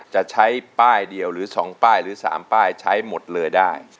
จะใช้ป้ายเดียวหรือ๒ป้ายหรือ๓ป้ายใช้หมดเลยได้